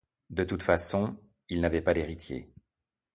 De toute façon, il n'avait pas d'héritier.